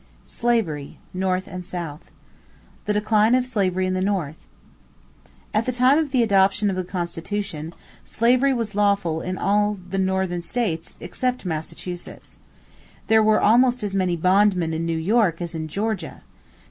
SLAVERY NORTH AND SOUTH =The Decline of Slavery in the North.= At the time of the adoption of the Constitution, slavery was lawful in all the Northern states except Massachusetts. There were almost as many bondmen in New York as in Georgia.